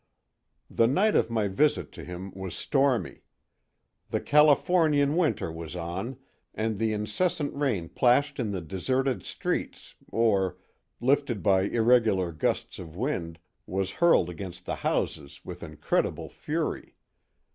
The night of my visit to him was stormy. The Californian winter was on, and the incessant rain plashed in the deserted streets, or, lifted by irregular gusts of wind, was hurled against the houses with incredible fury.